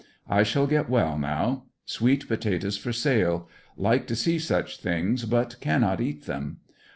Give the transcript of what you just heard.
I shall get well now. S^eet potatoes for sale. Like to see such things, but cannot eat them.